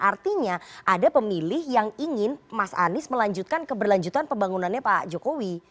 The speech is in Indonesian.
artinya ada pemilih yang ingin mas anies melanjutkan keberlanjutan pembangunannya pak jokowi